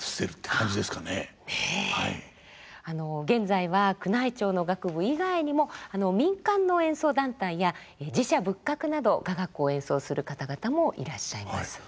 現在は宮内庁の楽部以外にも民間の演奏団体や寺社仏閣など雅楽を演奏する方々もいらっしゃいます。